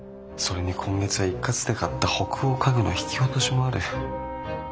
それに今月は一括で買った北欧家具の引き落としもある。